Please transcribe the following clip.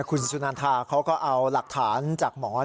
คุณสุนันทาเขาก็เอาหลักฐานจากหมอ